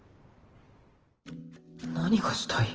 何がしたい？